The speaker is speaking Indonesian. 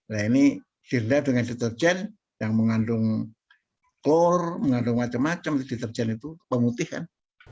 nah ini dilihat dengan deterjen yang mengandung klor mengandung macam macam deterjen itu pemutih kan